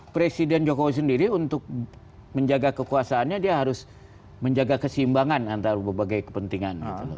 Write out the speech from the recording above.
presiden jokowi sendiri untuk menjaga kekuasaannya dia harus menjaga keseimbangan antara berbagai kepentingan